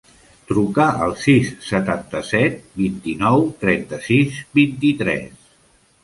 Truca al sis, setanta-set, vint-i-nou, trenta-sis, vint-i-tres.